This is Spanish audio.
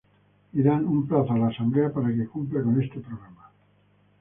Y dan un plazo a la Asamblea para que cumpla con este programa.